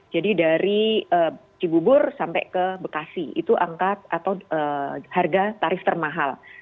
jadi dari cibubur sampai ke bekasi itu angka atau harga tarif termahal